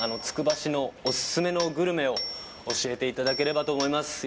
つくば市のオススメのグルメを教えていただければと思います